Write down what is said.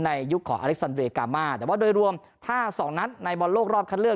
ยุคของอเล็กซันเรยกามาแต่ว่าโดยรวมถ้าสองนัดในบอลโลกรอบคัดเลือก